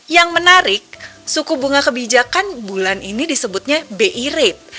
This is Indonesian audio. yang menarik suku bunga kebijakan bulan ini disebutnya bi rate